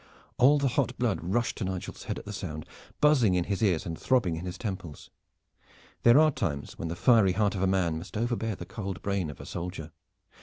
All the hot blood rushed to Nigel's head at the sound, buzzing in his ears and throbbing in his temples. There are times when the fiery heart of a man must overbear the cold brain of a soldier.